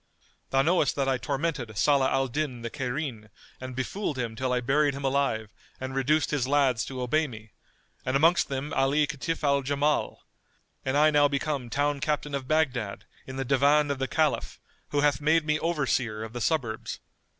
Thou knowest that I tormented Salah al Din the Cairene and befooled him till I buried him alive and reduced his lads to obey me, and amongst them Ali Kitf al Jamal; and I am now become town captain of Baghdad in the Divan of the Caliph who hath made me over seer of the suburbs.